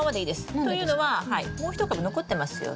というのはもう一株残ってますよね。